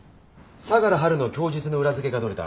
相良波琉の供述の裏付けが取れた。